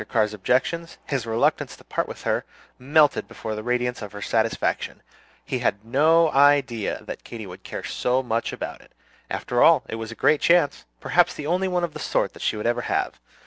Carr's objections, his reluctance to part with her, melted before the radiance of her satisfaction. He had no idea that Katy would care so much about it. After all, it was a great chance, perhaps the only one of the sort that she would ever have.